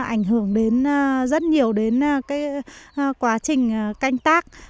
ảnh hưởng đến rất nhiều đến quá trình canh tác